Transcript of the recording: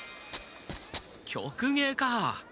曲芸か！